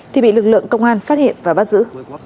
thì bị lực lượng công an phát hiện và bắt giữ